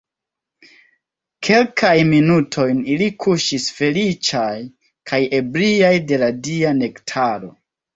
Kelkajn minutojn ili kuŝis feliĉaj kaj ebriaj de la dia nektaro.